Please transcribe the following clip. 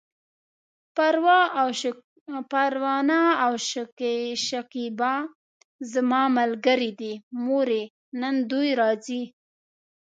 پروانه او شکيبه زما ملګرې دي، مورې! نن دوی راځي!